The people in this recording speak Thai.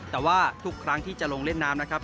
แต่ว่าทุกครั้งที่จะลงเล่นน้ำนะครับ